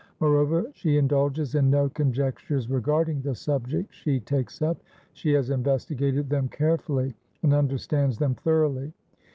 Moreover, she indulges in no conjectures regarding the subjects she takes up, she has investigated them carefully, and understands them thoroughly.